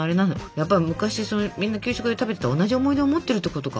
やっぱり昔みんな給食で食べてた同じ思い出をもってるってことか